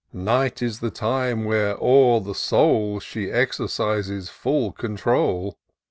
Night is the time when o'er the soul She exercises full control.